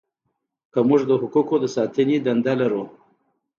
که موږ د حقوقو د ساتنې دنده لرو.